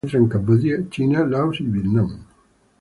Se encuentra en Camboya, China, Laos y Vietnam.